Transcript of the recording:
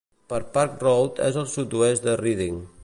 Per Park Road és al sud-oest de Reading.